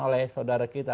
oleh saudara kita